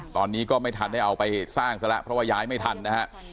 ตอนนี้ก็ไม่ทันได้เอาไปสร้างซะแล้วเพราะว่าย้ายไม่ทันนะฮะ